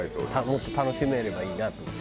もっと楽しめればいいなと思う。